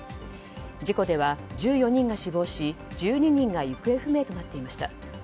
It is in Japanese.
事故では１４人が死亡し１２人が行方不明となっていました。